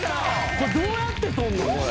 これどうやって取るのこれ？